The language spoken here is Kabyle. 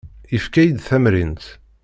Yefka-iyi-d tamrint.